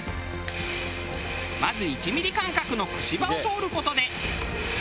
まず１ミリ間隔のクシ刃を通る事で。